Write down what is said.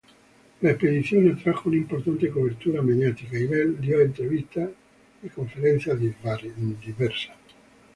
La expedición atrajo una importante cobertura mediática, y Bell dio entrevistas y conferencias varias.